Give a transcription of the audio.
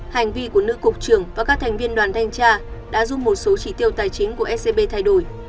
hành vi của nữ cục trưởng và các thành viên đoàn thanh tra đã giúp một số chỉ tiêu tài chính của scb thay đổi